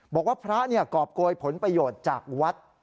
บอกว่าพระกรอบโกยผลประโยชน์จากวัด